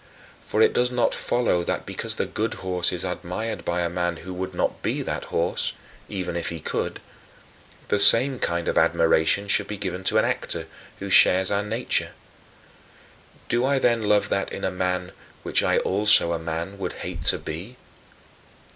For it does not follow that because the good horse is admired by a man who would not be that horse even if he could the same kind of admiration should be given to an actor, who shares our nature. Do I then love that in a man, which I also, a man, would hate to be?